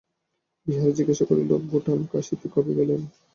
বিহারী জিজ্ঞাসা করিল, বোঠান কাশীতে কবে গেলেন।